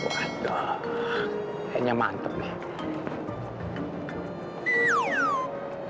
waduh kayaknya mantep nih